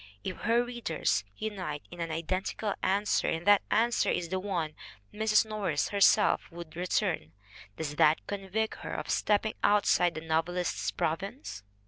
If her readers unite in an identical answer and that answer is the one Mrs. Norris herself would return, does that convict her of stepping outside the novelist's province